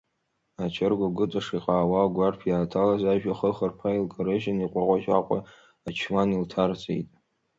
Ачыргә агәыҵаш иҟаауа агәарԥ иааҭалаз ажә ахы хырԥа илкарыжьын, иҟәаҟәа-чаҟәа ачуан илҭарҵеит.